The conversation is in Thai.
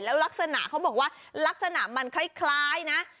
แล้วลักษณะเขาบอกว่าลักษณะมันคล้ายนะ